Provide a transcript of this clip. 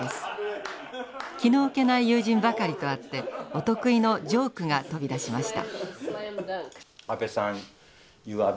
気の置けない友人ばかりとあってお得意のジョークが飛び出しました。